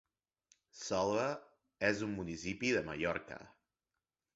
Selva és un municipi de Mallorca.